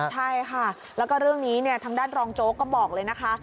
ใช่ค่ะแล้วก็เรื่องนี้ทางด้านรองโจ๊กก็บอกเลยนะคะ